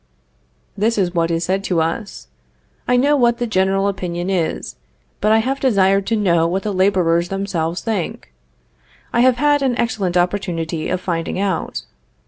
This is what is said to us. I know what the general opinion is; but I have desired to know what the laborers themselves think. I have had an excellent opportunity of finding out.